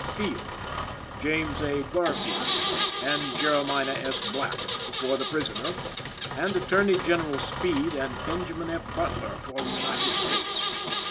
Field, James A. Garfield and Jeremiah S. Black for the prisoner, and Attorney General Speed and Benjamin F. Butler for the United States.